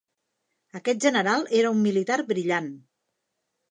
Aquest general era un militar brillant.